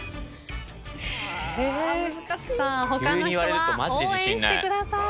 他の人は応援してください。